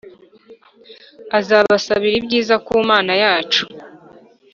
azabasabira ibyiza ku mana yacu